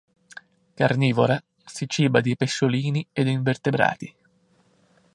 Carnivora, si ciba di pesciolini ed invertebrati.